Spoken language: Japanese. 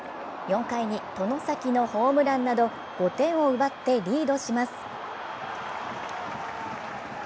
４回に外崎のホームランなど５点を奪ってリードします。